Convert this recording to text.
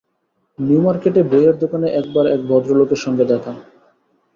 নিউমার্কেটে বইয়ের দোকানে এক বার এক ভদ্রলোকের সঙ্গে দেখা!